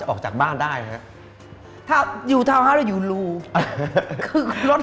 เพราะฉะนั้นถ้าใครอยากทานเปรี้ยวเหมือนโป้แตก